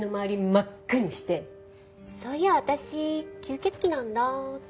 真っ赤にして「そういや私吸血鬼なんだ」って。